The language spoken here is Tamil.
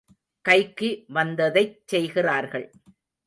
கைக்கு வந்ததைச் செய்கிறார்கள்.